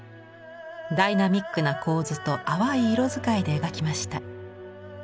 ダイナミックな構図と淡い色使いで描きました。